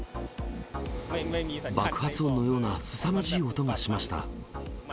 爆発音のようなすさまじい音がしました。